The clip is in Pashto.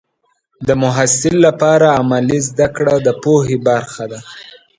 د محصل لپاره عملي زده کړه د پوهې برخه ده.